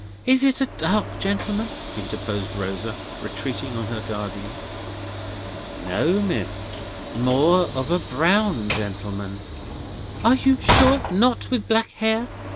"Is it a dark gentleman?" interposed Rosa, retreating on her guardian. "No, Miss, more of a brown gentleman." "You are sure not with black hair?"